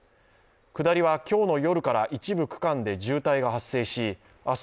下りは今日の夜から一部区間で渋滞が発生し明日